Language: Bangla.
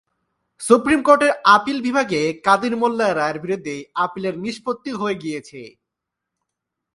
সুপ্রিম কোর্টের আপিল বিভাগে কাদের মোল্লার রায়ের বিরুদ্ধে আপিলের নিষ্পত্তিও হয়ে গেছে।